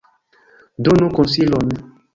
Donu konsilon!